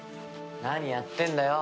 何やってんだよ？